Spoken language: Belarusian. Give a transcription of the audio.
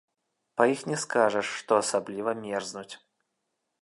Па іх не скажаш, што асабліва мерзнуць.